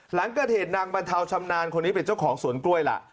หลังเกิดเหตุนางบรรเทาชำนาญคนนี้เป็นเจ้าของสวนกล้วยล่ะ